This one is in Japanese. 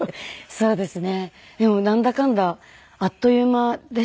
そうですね。